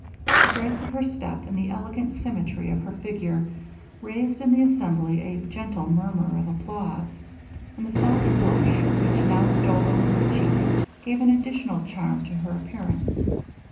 The grace of her step, and the elegant symmetry of her figure, raised in the assembly a gentle murmur of applause, and the soft blush which now stole over her cheek, gave an additional charm to her appearance.